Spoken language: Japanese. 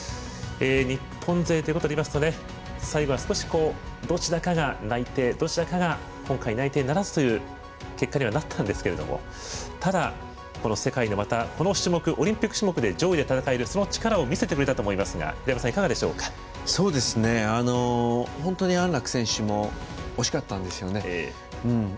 日本勢ということになりますと最後はどちらかが内定どちらかが今回内定ならずという結果にはなったんですけれどもただ、世界でまたこの種目、オリンピック種目で上位で戦えるその力を見せてくれたと思いますが本当に安楽選手も惜しかったんですよね。